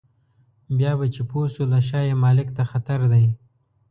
بیا به چې پوه شو له شا یې مالک ته خطر دی.